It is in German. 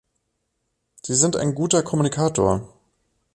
Sie sind ein guter Kommunikator.